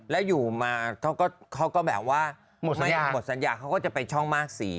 แล้วอยู่มาเขาก็แบบว่าหมดสัญญาเขาก็จะไปช่องมากสี